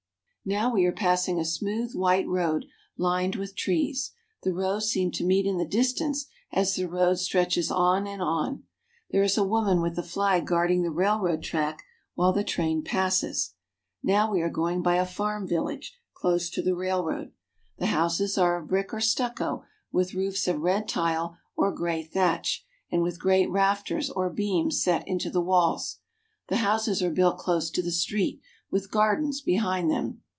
Now we are passing a smooth white road lined with trees; the rows seem to meet in the distance as the road stretches on and on. There is a woman with a flag guard ing the railroad track while the train passes. Now we are going by a farm village close to the railroad. The houses are of brick or stucco, with roofs of red tile or gray thatch, and with great rafters or beams set into the walls. The houses are built close to the street, with gardens behind them.